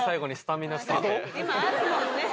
今あるもんね。